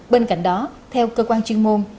bên cạnh đó theo cơ quan chuyên môn